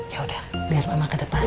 ya udah biar mama ke depan